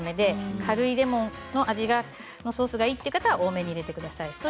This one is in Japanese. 軽いレモンの味のソースがいいという方は多めに入れてください。